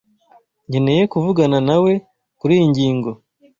Nkeneye kuvugana nawe kuriyi ngingo.